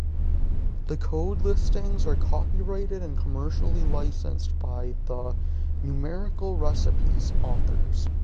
The code listings are copyrighted and commercially licensed by the "Numerical Recipes" authors.